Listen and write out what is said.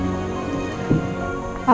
aku tadi kepikiran ya pa